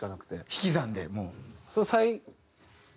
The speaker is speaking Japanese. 引き算でもう。